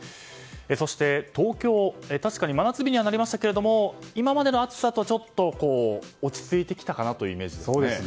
そして、東京確かに真夏日にはなりましたが今までの暑さよりちょっと落ち着いてきたイメージですね。